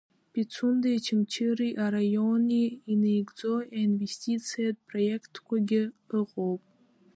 Пицундеи Очамчыра араиони инагӡоу аинвестициатә проектқәагьы ыҟоуп.